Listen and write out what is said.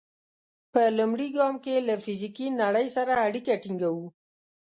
په لومړي ګام کې له فزیکي نړۍ سره اړیکه ټینګوو.